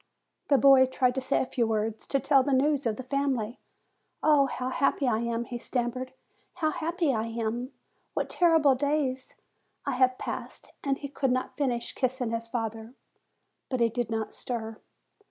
The boy tried to say a few words, to tell the news of the family. "Oh how happy I am!" he stam mered. "How happy I am! What terrible days I have passed!" And he could not finish kissing his father. But he did not stir.